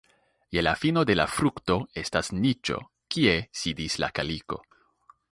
Je la fino de la frukto estas niĉo, kie sidis la kaliko.